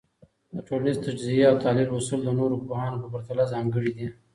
د ټولنيز تجزیه او تحلیل اصول د نورو پوهانو په پرتله ځانګړي دي.